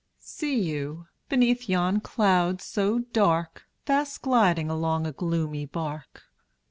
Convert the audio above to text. See you, beneath yon cloud so dark, Fast gliding along a gloomy bark?